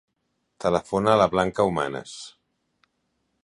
Telefona a la Blanca Humanes.